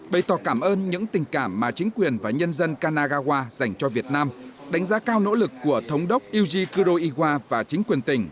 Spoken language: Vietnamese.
bày tỏ cảm ơn những tình cảm mà chính quyền và nhân dân kanagawa dành cho việt nam đánh giá cao nỗ lực của thống đốc yuji kuroiwa và chính quyền tỉnh